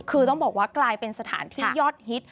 คือต้องบอกว่ากลายเป็นสถานที่ยอดฮิต